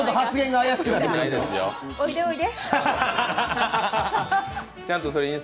おいで、おいで。